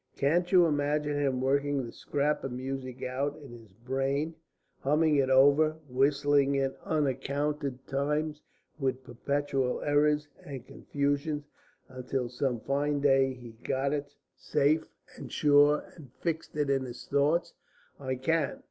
Can't you imagine him working the scrap of music out in his brain, humming it over, whistling it uncounted times with perpetual errors and confusions, until some fine day he got it safe and sure and fixed it in his thoughts? I can.